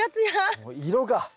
もう色が！